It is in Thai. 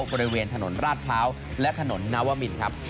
บริเวณถนนราชพร้าวและถนนนาวมินครับ